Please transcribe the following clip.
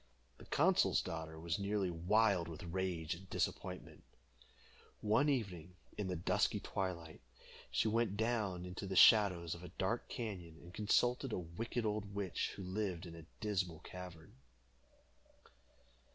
The consul's daughter was nearly wild with rage and disappointment. One evening, in the dusky twilight, she went down into the shadows of a dark cañon, and consulted a wicked old witch, who lived in a dismal cavern.